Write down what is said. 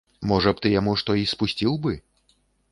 Можа б, ты яму што і спусціў бы?